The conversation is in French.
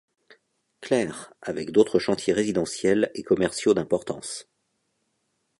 Clair, avec d'autres chantiers résidentiels et commerciaux d'importance.